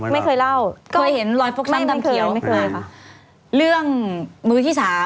ไม่เคยเล่าเคยเห็นรอยไม่เคยไม่เคยค่ะเรื่องมือที่สาม